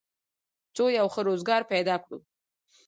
څو یو ښه روزګار پیدا کړو